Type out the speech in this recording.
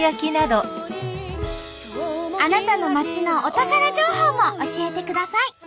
あなたの町のお宝情報も教えてください。